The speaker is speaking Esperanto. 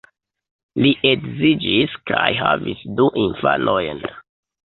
Li edziĝis kaj havis du infanojn.